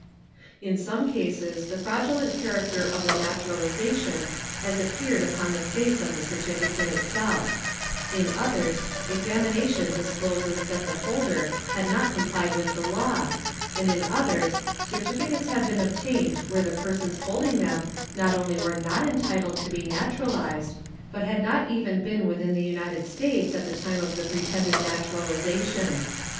In some cases the fraudulent character of the naturalization has appeared upon the face of the certificate itself; in others examination discloses that the holder had not complied with the law, and in others certificates have been obtained where the persons holding them not only were not entitled to be naturalized, but had not even been within the United States at the time of the pretended naturalization.